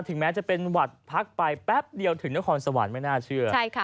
แม้จะเป็นหวัดพักไปแป๊บเดียวถึงนครสวรรค์ไม่น่าเชื่อ